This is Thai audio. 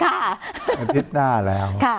อาทิตย์หน้าแล้ว